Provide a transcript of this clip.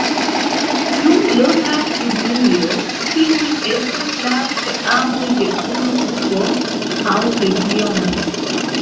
Dum loka turniro tiuj estas la teamoj de unu urbo aŭ regiono.